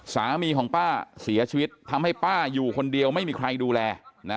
สามีของป้าเสียชีวิตทำให้ป้าอยู่คนเดียวไม่มีใครดูแลนะ